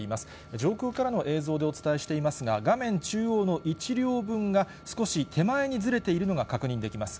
上空からの映像でお伝えしていますが、画面中央の１両分が、少し手前にずれているのが確認できます。